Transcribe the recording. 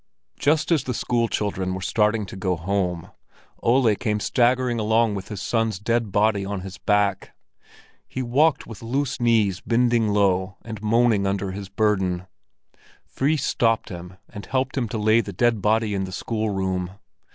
Just as the school children were starting to go home, Ole came staggering along with his son's dead body on his back. He walked with loose knees bending low and moaning under his burden. Fris stopped him and helped him to lay the dead body in the schoolroom.